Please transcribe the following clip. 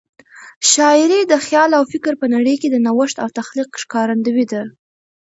شاعري د خیال او فکر په نړۍ کې د نوښت او تخلیق ښکارندوی ده.